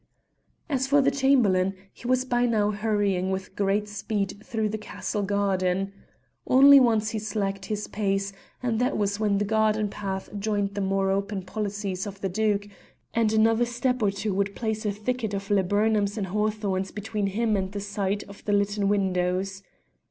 As for the Chamberlain, he was by now hurrying with great speed through the castle garden. Only once he slacked his pace, and that was when the garden path joined the more open policies of the Duke, and another step or two would place a thicket of laburnums and hawthorns between him and the sight of the litten windows.